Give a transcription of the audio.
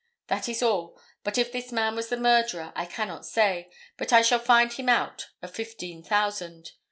This is all; but if this man was the murderer I cannot say, but I shall find him out of fifteen thousand.